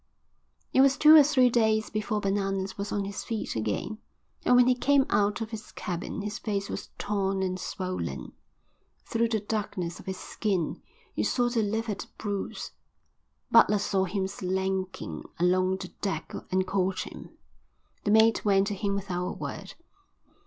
It was two or three days before Bananas was on his feet again, and when he came out of his cabin his face was torn and swollen. Through the darkness of his skin you saw the livid bruise. Butler saw him slinking along the deck and called him. The mate went to him without a word.